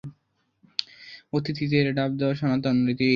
অতিথিদের ডাব দেওয়া সনাতন রীতি।